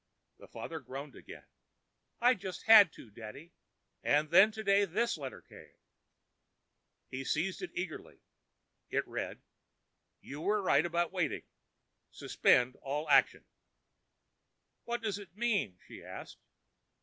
The father groaned again. "I just had to, daddy; and then today this letter came." He seized it eagerly. It read: "You were right about waiting. Suspend all action." "What does it mean?" she asked.